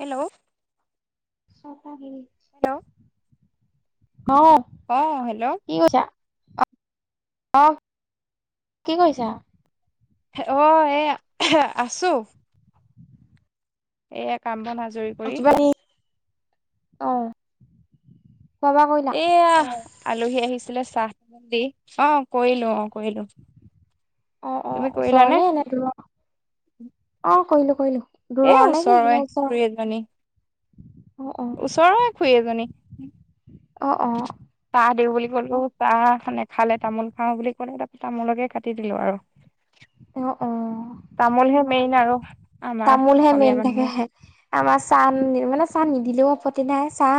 Hello? চফাগিৰী hello? অ', hello অ' কি কৰিছা? অ'-অ', কি কৰিছা? অ', এ আছো। এইয়া কাম বন আজৰি কৰি। কিবা অ'। খোৱা বোৱা কৰিলা? এয়া আলহী আহিছিলে চাহ চ দি অ', কৰিলো অ', কৰিলো। তুমি অ'-অ', ওচৰ কৰিলানে নে এনে দূৰৰ? অ', কৰিলো-কৰিলো। এ দূৰৰ নেকি, ওচৰৰে নে ওচৰৰ? খুৰী এজনী অ', অ', ওচৰৰে খুুৰিএজনী। অ'- অ'। চাহ দিওঁ বুলি কলো চাহ খ নেখালে তামোল খাওঁ বুলি ক'লে তাৰ তামোলকে কাটি দিলো আৰু। অ', তামোলহে মেইন আৰু। আমাৰ তামোল হে অসমীয়া মেইন তাকে। মানুহৰ আমাৰ চাহ মানে চাহ নিদিলেও উফত্তি নাই চাহ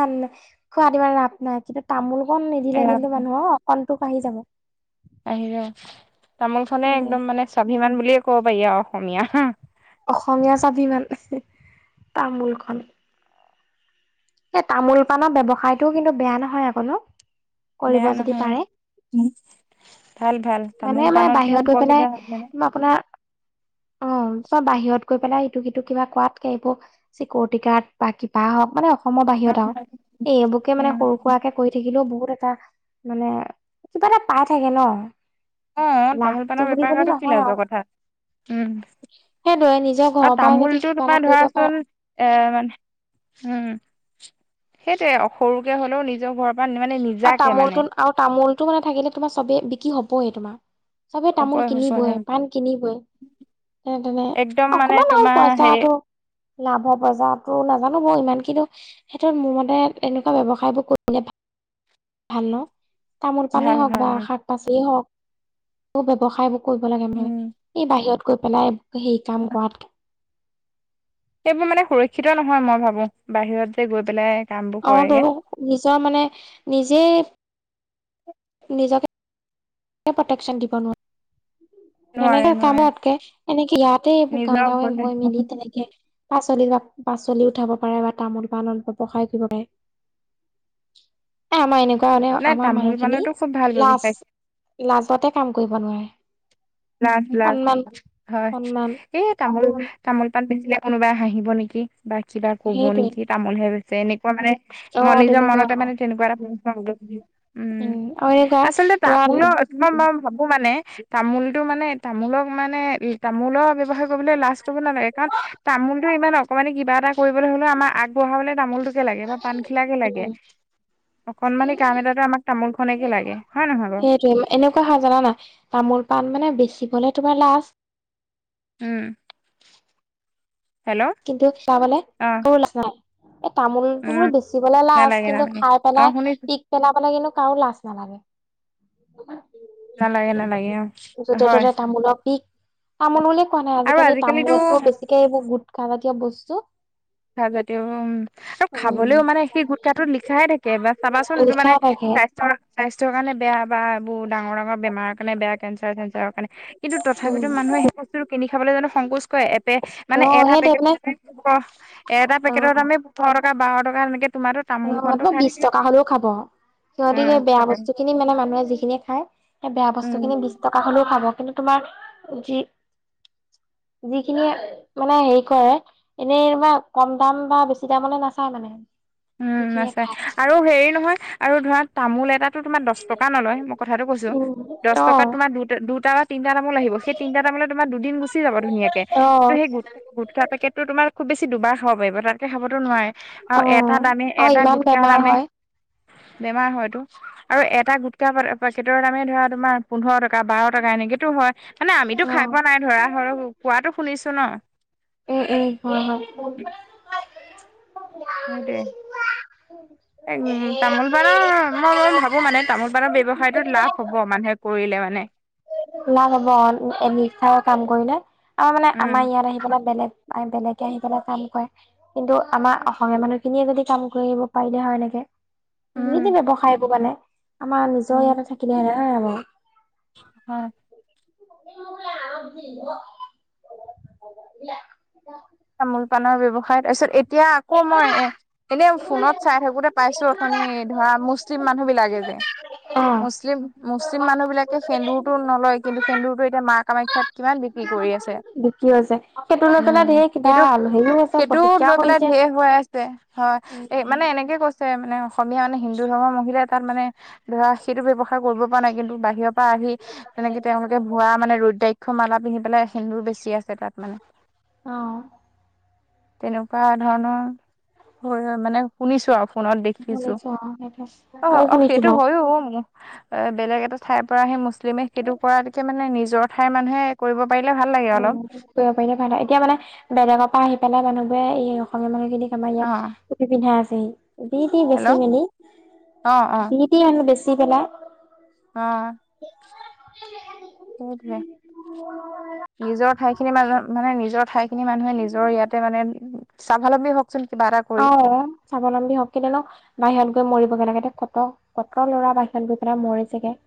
খোৱ দিমমান ৰাপ নাই কিন্তু তামোল। কণ নিদিলে এয়া কিন্তু মানুহ অ কণটো কাঢ়ি যাব। আহি তামোল খনে সেইটোৱে একদম মানে স্বাভিমান বুলিয়ে ক'ব পাৰি আৰু অসমীয়া হ অসমীয়া স্বাভিমান তাৰামোলখন। এই তামোল পাণৰ ব্যৱসায়টোও কিন্তু বেয়া নহয় আকনো। বেয়া নহয় ভাল ভাল মানে তামোল মানে পাণতকে বাহিৰত গৈ পেলাই উপকৃতা হ মানে আপোনাৰ অ কিবা বাহিৰত গৈ পেলাই সিটো সিটো কিবা কোৱাতকে এইবোৰ চিকিউৰিটি গাৰ্ড বা কিবা হওক মানে অসমৰ বাহিৰত আৰুও এই এইবুকে মানে উম সৰু সুৰাকে কৰিৈ থাকিলেও বহুত এটা মানে কিবা এটা পাই থাকে ন। অ তামোল পাৰ লাভটো বুলি বেপাৰ বুলি কৰাটো কি নহয় লাযৰ আৰু কথা। উম সেইদৰে নিজৰ আৰু ঘৰৰ পৰাই যদি তামোলটো কিবা এটা তোমাৰ কৰিব পাৰে ধৰাচোন এ মানে উম সেইটোৱে সৰুকে হলেও নিজৰ ঘৰ আৰু তামোলটো আৰু তামোলটো মানে থাকিলে তোমাৰ চবেই বিকি হ'বহে তোমাৰ চবে তামোল হ'বই হ'বই কিনিবই উম পাণ কিনিবই তেনে তেনে একদম মানে অকমান আৰু তোমাৰ হেৰি পইচাটো। লাভৰ পজায়টো নাজানো ব ইমান কিন্তু সেইটোত মোৰ মতে এনেকুৱা ব্যৱসায়বোৰ কৰিলে ভাল। ভাল ন তামোল পােই ভাল হওক ভাল বা অ শাক পাচিয় হওক ব ব্যৱসায়। কৰিব লাগে মানে উম এই বাহিৰত গৈ পেলাই সেই কাম কৰাতকে। সেইবোৰ মানে সুৰক্ষিত নহয় মই ভাবো বাহিৰত যে গৈ পেলাই। কাম বোৰ অৱ কৰেগে ধলক নিজৰ মানে নিজেই। নিজকে, প্ৰটেক্যন দিব নোৱাৰে। নোৱাৰে তেনেকে নোৱাৰে কামতকে এনেকে ইয়াতে এইবোৰ গাঁৱে নিজৰ গাঁৱে ওপৰতে গৈ মেলি তেনেকে পাচলি পাচলি উঠাব পাৰে বা তামোল-পাণত ব্যৱসায় কৰিব পাৰে। আমাই এনেকুৱা কাৰণে নাই আমাৰ তামোল মানুহখিনি পাণতো খুব ভাল লাজ, ব্যৱসায় লাজতে কাম কৰিব নোৱাৰে। লাজ লাজ সন্মান হয় সন্মান এই কাম তামোল পা বেচিলে কোনোবাই হাঁহিব নেকি বা কিবা কব সেইটোৱে নেকি তামোলহে বেচ এ মই অ মানে নিজৰ তেনেকুৱা মনতে অ মানে তেনেকুৱা এটা প্ৰশ্ন উদয় হৈছে। উম আৰু এনেকুৱা আচলতে তোমাৰ তামোলৰ মই মই ভাবো মানে তামোল। মানে তামোলক মানে তামোলৰ ব্যাৱসায়ী কৰিবলৈ লাজ কৰিব নালাগে কাৰণ তামোল ইমান অকণমানি মানে কিবা এটা কৰিবলৈ হলে আমাৰ আগবঢ়াবলৈ তামোলটোকে লাগে বা পাণখিলাকে লাগে। উম অকনমানি কাম এটাটো আমাক তামোল খনেকে লাগে হয় নহয় বাওঁ সেইটোৱে এনেকুৱা জানা নাই তামোল-পাণ বেচিবলে তোমাৰ লাজ উম হেল্ল' কিন্তু চাবলে অ কাৰো লাজ নাই তামোলতো উম বোলো বেচিবলৈ লাজ নালাগে কিন্তু নালাগে খাই অ পেলাই শুনিছো পিক পেলাবলে কিন্তু। কাৰো লাজ নালাগে নালাগে নালাগে অ যতে হয় ত'তে তামোলৰ পিক তামোল বুলিয় কোৱা নাই আৰু আজিকালি আজিকালিতো তামোলতকৈও বেছিকে এইবোৰ গোটকাজাতীয় বস্তু। যদিও উম আৰু উম খাবলৈও মানে সেই গোটকাটোত লিখাইে থাকে বা চাবাচোন লিখা মানে থাকে স্বাস্থ্যৰ স্বাস্থ্যৰ কাৰণে বেয়া বা এইবোৰ ডাঙৰ ডাঙৰ বেমাৰ কাৰে বেয়া কেঞ্চাৰ চেঞ্চাৰ কিন্তু উম তথাপিতো মানুহে সেই বস্তু কিনি খাবলৈ জানো সংকোচ কৰে এপে অ মানে এটা সেইটোৱে পেকেট মানে এটা পেকেটত অ আমি পোন্ধৰ টকা বাৰ টকা সেনেকে অ আপোনাৰ বিশ টকা হ'লেও খাব। সিহঁতি উম সেই বেয়া খাব বস্তু খিনি মানে মানুহে যিখিনি খায় সেই বেয়া বস্তু উম খিনি বিশ টকা হলেও খাব। কিন্ত তোমাৰ যি যিখিনি মানে হেৰি কৰে এনেইবা কম দাম বা বেছি দামলে নাচায় মানে। উম যিখিনিয়ে আছে, খায়। আৰু হেৰি নহয় আৰু ধৰা তামোল এটাাত দহ টকা নলয় মই কথাটো কৈছোঁ, উম, দহ টকাত অ', দুটা-দুটা বা তিনিটা তামোল আহিব। সেই তিনিটা তামোল তোমাৰ দুদিন গুচি যাব ধুনীয়াকে কিন্তু অ', সেই গুটকা-গুটকা পেকটো তোমাৰ খুব বেছি দুবাৰ খাব পাৰিব তাতকে খাবতো নোৱাৰে আৰু এট অ', তাত আমি অ' এটা ইমান গুটখাত বেমাৰ আমি হয়। বেমাৰ হয়তো। আৰু এটা গুটকা পেকেটৰ দামেই ধৰা তোমাৰ পোন্ধৰ টকা বাৰ টকা এনেকেতো হয়। মানে আমিতো অ' খাই উম, পোৱা নাই ধৰা হ'লেও কোৱাতটো শুনিছো ন? উম', হয়-হয়। সেইটোৱে। [unintelligible] উম', তামোল-পাণৰ মই অলপমান ভাবো মানে তামোল পাৰ ব্যৱসায়টোত লাভ হ'ব মানুহে কৰিলে মানে। লাভ হ'ব নিষ্ঠাৰে কাম কৰিলে। আৰু মানে আমাৰ উম ইয়াত আহি পেলাই বেলেগ-বেলেগে আহি পেলাই কাম কৰে। কিন্তু আমাৰ অসমীয়া মানুহখিনিয়ে যদি কাম কৰিব পাৰিলে হয় এনেকে। দুইটি উম বৱসায়বোৰ মানে, আমাৰ নিজৰ উম ইয়াতে থাকিলে হয় নাই বাওঁ? হয়। [unintelligible] তামোল-পাণৰ ব্যৱসায় তাৰ পিছত এতিয়া আকৌ মই এ এনে ফোনত চাই থাকোতে পাইছো অথনি ধৰা মুছলিম মানুহ বিলাকে যে, অ মুছলিম মুছলিম মানুহ বিলাকে সেন্দুৰতটো নলয় কিন্তু সেন্দুৰতটো এতিয়া মা কামাখ্যাত কিমান বিক্ৰী কৰি আছে। বিকি আছে, সেইটো লৈ উম পেলাই ধেৰ হেৰিও হৈছে সেইটো প্ৰতিক্ৰিয়াও লৈ পেলাই কৰিছে ধেৰ হৈ আছে হয়, মানে এনেকে কৈ ছে মানে অসমীয়া মানে হিন্দু ধৰ্মৰ মহিলাই তাত মানে ধৰা সেইটো ব্যৱসায় কৰিব পৰা নাই কিন্তু বাহিৰৰ পা আহি তেনেকে তেওঁলোকে ভুৱা মানে ৰুদ্ৰাক্ষ মালা পিন্ধি পেলাই সেন্দুৰ বেছি আছে। সেই তাত মানে। অ তেনেকুৱা ধৰণৰ হৈ, মানে শুনিছো আৰু। ফোনত দেখিছো শুনিছো অ সেইটো মইও অ'-অ', শুনিছো সেইটো বাৰু হয়ো অ, মোৰ অ, বেলেগ এটা ঠাইৰ পৰা আহি মুছলিমে সেইটো কৰা দেখি মানে নিজৰ ঠাইৰ মানুহে কৰিব পাৰিলে ভাল লাগে অলপ অ', কৰিব পাৰিলে ভাল হয়, এতিয়া মানে বেলেগৰ পৰা আহি পেলাই মানুহবোৰে এই অসমীয়া মানুহ খিনিক আমাৰ অ ইয়াত টুপী-পিন্ধাই আছেহি। যি-টি হেল্ল' বেছি মেলি, অ অ যি-টি আনি বেছি পেলাই। অ'। হ [inaudible] সেইটোৱেই, নিজৰ ঠাইখিনি মাজত মানে নিজৰ ঠাই খিনি মানুহে নিজৰ ইয়াতে মানে স্বাৱলম্বী হ অ', স্বাৱলম্বী হওক [unintelligible] বাহিৰত গৈ মৰিব গে লাগে, কত-কত ল'ৰা বাহিৰা গৈ পেলাই মৰিছে গে।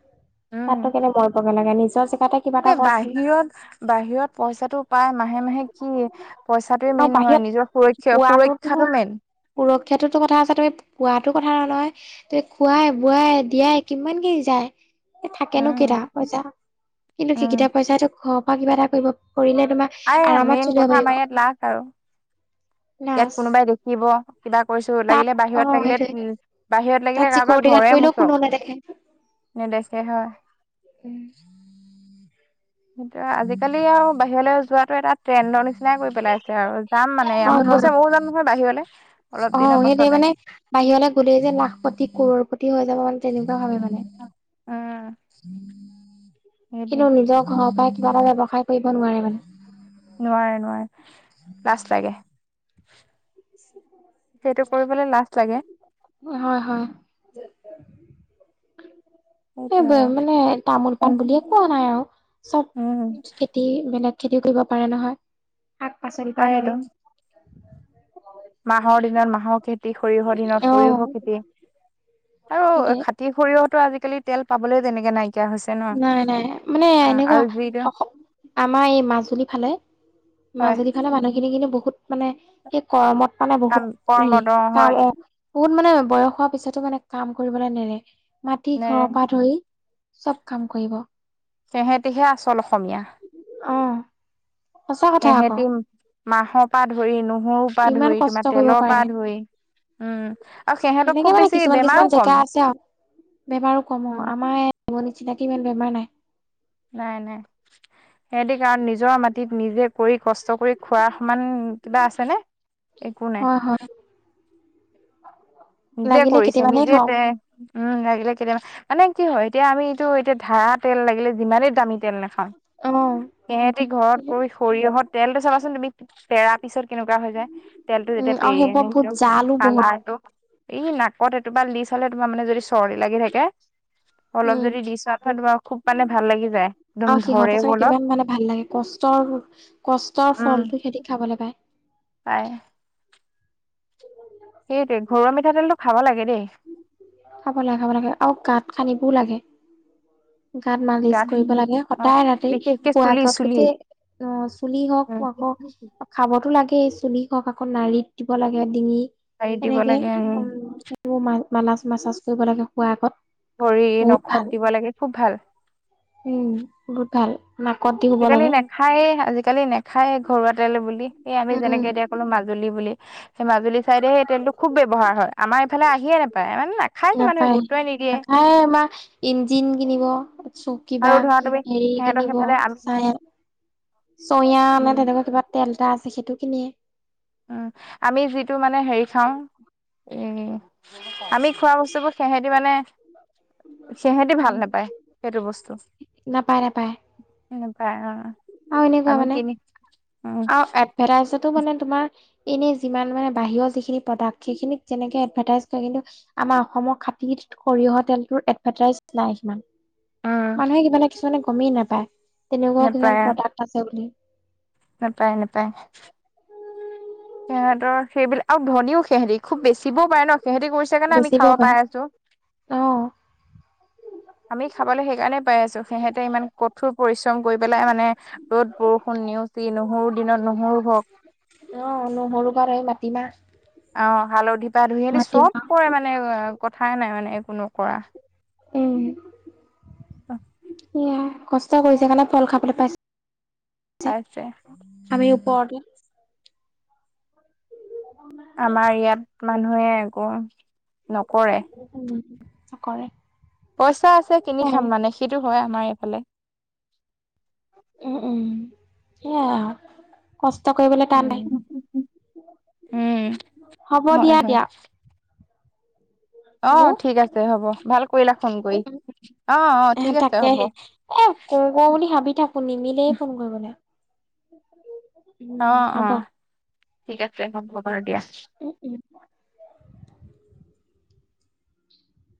উম তাতো কেলে মৰিব গে লাগে নিজৰ জেগাতে কিবা এটা এই কৰচোন, বাহিৰত-বাহিৰত পইচাটো পাই মাহে-মাহে কি পইচাটোৱেই আৰু মেইন নহয় বাহিৰত নিজৰ পোৱাটোতো সুৰক্ষা-সুৰক্ষাটো মেইন। সুৰক্ষাটোতো কথা আছে, তুমি পোৱাতো কথা ন [unintelligible] -নহয় তুমি খোৱাই-বোৱাই, দিয়াই, কিমানকিনি যায়। থাকেনো কেইটা উম পইচা, কিন্তু সি উম কিটা পইচাটো ঘৰৰ পৰা কিবা এটা কৰিব কৰিলে তোমাৰ আই মেইন আৰামত চলিব কথা আমাৰ পাৰিব। ইয়াত লাখ আৰু ইয়াত প্লাছ কোনোবাই দেখিব কিবা কৰিছো তাত লাগিলে অ বাহিৰত লাগিলে সেইটোয়ে উম বাহিৰত তাত লাগিলে কাৰোবাৰ চিকিউৰিটি গাৰ্ড ঘৰে কৰিলেও কোনো মোচক। নেদেখে নেদেখে হয়। উম'। সেইটোৱেই আৰু আজিকালি আৰু বাহিৰলৈ যোৱাটো এটা ট্ৰেণ্ডৰ নিচিনাই কৰি পেলাইছে আৰু যাম মানে আ হয় মোক হয় গৈছে ময়ো যাম নহয় বাহিৰলে। অ', সেইটোৱেই মানে বাহিৰলৈ গ'লেই যে লাখপতি, কৰৰপ্ৰতি হৈ যাব মানে তেনেকু হয় মানে। উম [inaudible] কিন্তু নিজৰ সেইটোৱে ঘৰৰ পৰাই কিবা এটা ব্যৱসায় কৰিব নোৱাৰে মানে। নোৱাৰে-নোৱাৰে। লাজ লাগে। সেইটো কৰিবলৈ লাজ লাগে? হয়-হয় [inaudible] সেইটোৱে আৰু এইবাৰ মানে তামোল-পাণ বুলিয়ে কোৱা নাই আৰু উম চব খেতি বেলেগ খেতিও কৰিব পাৰে নহয়। শাক-পাচলিৰ পৰা পাৰেতো ধৰি মাহৰ দিনত মাহৰ খেতি, সৰিয়হৰ দিনত অ সৰিয়হৰ খেতি। আৰু সেইটোৱে খাতি সৰিয়হতো আজিকালি তেল পাবলৈ তেনেকে নাই। নাই-নাই মানে এনেকুৱা আৰু যিটো অস [unintelligible] আমাৰ এই মাজুলী ফালে হয় মাজুলীফালে মানুহখিনি কিন্তু বহুত মানে সেই কৰ্মত মানে কাম বহুত হেৰি কৰ্মত অ কাম হয় ও বহুত মানে বয়স হোৱা পিছতো মানে কাম কৰিবলৈ নেৰে। মাটি নে ঘৰৰ পৰা ধৰি চব কাম কৰিব। সেহেঁতিহে আচল অসমীয়া। অ সঁচা কথা আকৌ। সেহেতি মাহৰ পৰা ধৰি, নহৰুৰ পৰা ইমান ধৰি, কষ্ট তোমাৰ কৰিব তেলৰ পৰা পাৰে ধৰি। উম আৰু সিহঁতক তেনেকে খুব মানে বেছি কিছুমান কিছুমান বেমাৰো জেগা কম। আছে আৰু বেমাৰো কম, উম অ। আমাৰ [unintelligible] নিচিনাকে ইমান বেমাৰ নাই। নাই-নাই। সিহঁতে কাৰণ নিজৰ মাটিত নিজে কৰি কষ্ট কৰি খোৱাৰ সমান কিবা আছেনে? একো নাই। হয় হয় [inaudible] নিজে লাগিলে কৰিছে কেতিয়াবানে নিজে খাওঁ তে উম লাগিলে কেতিয়াবা মানে কি হয় এতিয়া আমিটো এতিয়া ধাৰা তেল লাগিলে যিমানেই দামী তেল নাখাওঁ অ সিহতি ঘৰত কৰি সৰিয়হত তেলটো চাবাচোন তুমি পেৰা পিছত কেনেকুৱা হৈ যায় তেলটো উম যেতিয়া আৰু পেৰি সেইবোৰ বহুত আনে জালো বহুত কালাৰটো এই নাকত এটোপাল দি চালে তোমাৰ মানে যদি চৰ্দি লাগি থাকে অলপ উম যদি দি চা তোমাৰ খুব মানে ভাল লাগি যায়। একদম ধৰেও অলপ। ক কষ্টৰ ফলটো সিহতি খাবলৈ পায়। পায়। সেইটোৱে। ঘৰুৱা মিঠাতেলটো খাব লাগে দেই। খাব লাগে, খাব লাগে আৰু গাত সানিবও লাগে। গাত মালিচ কৰিব লাগে। অ সদায় ৰাতি বিশেষকে শুৱা চুলি আগত চুলি গোটেই অ চুলি হওক, উম। হওক খাবতো লাগে। সেই চুলি হওক আকৌ নাড়িত দিব লাগে। ডিঙি হেৰিত দিব সেনেকে লাগে উম সবোৰ মা মালাজ মাছাজ কৰিব লাগে খোৱাৰ আগত। ভৰি বহুত ভাল নখত দিব লাগে খুব ভাল। উম বহুত ভাল নাকত দি শুব আজিকালি লাগে নেখায়ে আজিকালি নেখ খাই ঘৰুৱাতেল বুলি। এই আমি উম যেনেকে এতিয়া কলো মাজুলী বুলি। সেই মাজুলী চাইডে সেই তেলটো খুব ব্যৱহাৰ হয়। আমাৰ ইফালে আহিয়ে নাপায়। নাখাইছে মানুহে নাপায়, গুৰুত্বই নিদিয়ে নাখায় আমাৰ ইঞ্জিন কিনিব ছ কিবা আৰু ধৰা তুমি হেৰি সিহঁতৰ কিনিব, সেইফালে আমি চাই চইয়া উম মানে তেনেকুৱা কিবা তেল এটা আছে সেইটো কিনিয়ে। উম আমি যিটো মানে হেৰি খাওঁ, উ আমি খোৱা বস্তুবোৰ সেহেঁতি মানে সিহেতি ভাল উম নাপায় সেইটো বস্তু। নাপায় নাপায় পায়, অ। আৰু এনেকুৱা আমি মানে কিনি উম আৰু এৰাৰ পাছতো মানে তোমাৰ এনেই যিমান মানে বাহিৰৰ যিখিনি প্ৰডাক্ট সেইখিনিত যেনেকে এডভাৰ্টাইজ কৰে কিন্তু আমাৰ অসমৰ খাতি সৰিয়হ তেলটোৰ এডভেটাইছ নাই। উম মানুহে কিবাে কিছুমানে গমেই নাপায় তেনেকুৱাও কিছুমান নাপায় প্ৰডাক্ট আছে বুলি। নাপায়, নাপায়। সিহঁতৰ সেইবিলাক আৰু ধনীও সিহঁতি। খুব বেচিবও পাৰে ন সিহতি কৰিছে কাৰণে আমি বেচিবও খাব পাৰে পাই আছো। অ আমি খাবলৈ সেইকাৰণে পাই আছো সিহঁতে ইমান কঠোৰ পৰিশ্ৰম কৰি পেলাই মানে ৰ'দ বৰষুণ নেওচি নহৰু দিনত নহয়ও, হওক। অ নহৰু কাৰনে এই মাটি অ হালধি পা ধুই আদি চব মাটিমাহ কৰে মানে কথাই নাই মানে একো নো কৰা। উম অ [inaudible] কষ্ট কৰিছে কাৰণে ফল খাবলৈ পাইছে পাইছে আমি ওপৰতে। [inaudible] আমাৰ ইয়াত মানুহে একো নকৰে। কৰে পইচা আছে কিনি খাম মানে সেইটো হয় আমাৰ এইফালে। উম উম সেয়া আৰু। কষ্ট কৰিবলৈ টান উম নাই উম হব হয় দিয়া, হয় দিয়া। অ হেল্ল'। ঠিক আছে হ'ব ভাল কৰিলা ফোন কৰি। অ অ এ ঠিক আছে হ'ব তাকেহে এ কৰো কৰো বুলি ভাবি থাকো নিমিলেই ফোন কৰিবলে। [unintelligible] অ অ ঠিক আছে হ'ব বাৰু দিয়া। উম, উম।